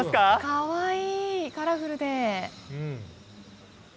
かわいい、カラフルで。